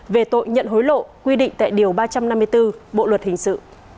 về tội nhận hối lộ quy định tại điều ba trăm năm mươi bốn bộ luật hình sự